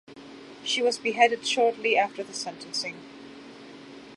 She was beheaded shortly after the sentencing.